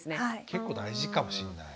結構大事かもしんない。